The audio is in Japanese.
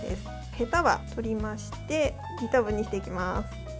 へたは取りまして２等分にしていきます。